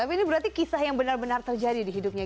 tapi ini berarti kisah yang benar benar terjadi di hidupnya